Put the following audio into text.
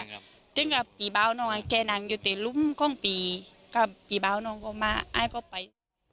เพราะฉะนั้นปีเบานองอ่ะแกนั่งอยู่ที่รุ่มข้องปีก็ปีเบานองก็มาอ้ายก็ไป